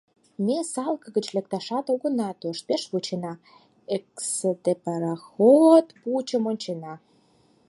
Ме салке гыч лекташат огына тошт, пеш вучена, эксыде пароход пучым ончена.